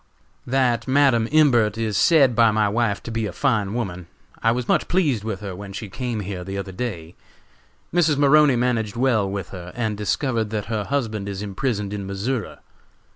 "That Madam Imbert is said by my wife to be a fine woman. I was much pleased with her when she came here the other day. Mrs. Maroney managed well with her and discovered that her husband is imprisoned in Missouri.